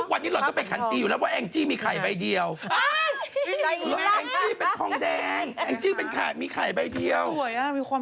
อะไรเหรอแอนจี่เขาเป็นอะไรคะ